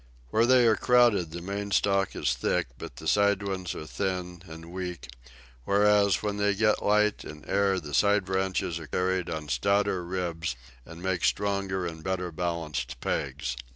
Where they are crowded the main stalk is thick, but the side ones are thin and weak; whereas, where they get light and air the side branches are carried on stouter ribs, and make stronger and better balanced pegs.